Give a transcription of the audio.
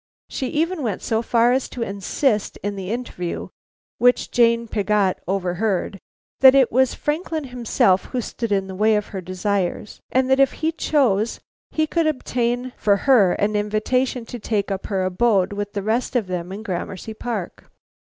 She even went so far as to insist in the interview, which Jane Pigot overheard, that it was Franklin himself who stood in the way of her desires, and that if he chose he could obtain for her an invitation to take up her abode with the rest of them in Gramercy Park.